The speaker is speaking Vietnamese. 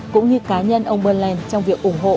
cũng như cá nhân ông berland trong việc ủng hộ